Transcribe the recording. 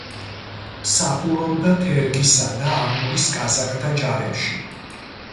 მსახურობდა თერგისა და ამურის კაზაკთა ჯარებში.